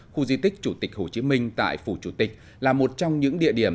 khu di tích chủ tịch hồ chí minh tại phủ chủ tịch là một trong những địa điểm